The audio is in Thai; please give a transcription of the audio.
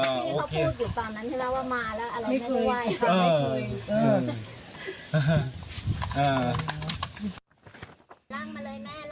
เขาพูดอยู่ตามนั้นให้เล่าว่ามาแล้วอะไรไม่เคยไหว